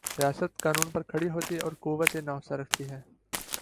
ریاست قانون پر کھڑی ہوتی اور قوت نافذہ رکھتی ہے۔